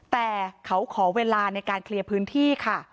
แต่เขาขอเวลาในการเคลียร์พื้นที่ค่ะ